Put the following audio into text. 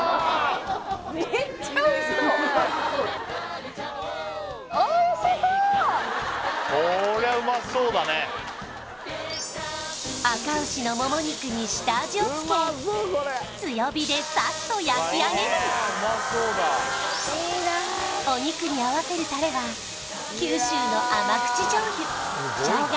めっちゃおいしそうあか牛のモモ肉に下味をつけ強火でサッと焼き上げるお肉に合わせるタレは九州の甘口醤油ショウガ